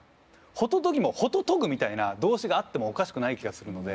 ホトトギもほととぐみたいな動詞があってもおかしくない気がするので。